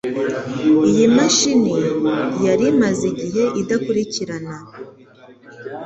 Iyi mashini yari imaze igihe idakurikirana.